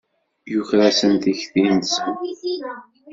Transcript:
Yuker-asen tikti-nsen.